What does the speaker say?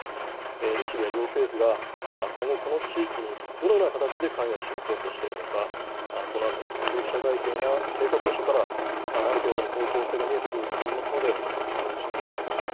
日米両政府が、今後、この地域にどのように関与していこうとしているのか、このあとの共同記者会見や成果文書から、ある程度の方向性が見えてくると思いますので、注目したいと思います。